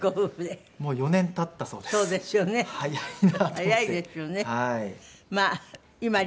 早いですよね。